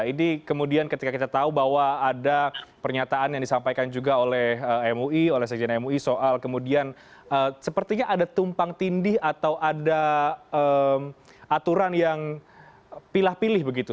ini kemudian ketika kita tahu bahwa ada pernyataan yang disampaikan juga oleh mui oleh sekjen mui soal kemudian sepertinya ada tumpang tindih atau ada aturan yang pilah pilih begitu